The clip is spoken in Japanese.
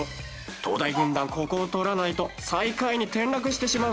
東大軍団ここを取らないと最下位に転落してしまうぞ。